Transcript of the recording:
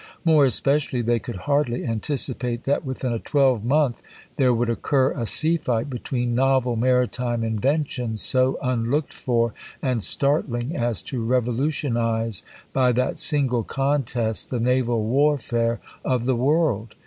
More especially they could hardly anticipate that within a twelvemonth there would occur a sea fight between novel maritime inventions so un looked for and startling as to revolutionize by that single contest the naval warfare of the world.